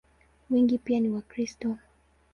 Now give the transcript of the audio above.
Wengi pia ni Wakristo.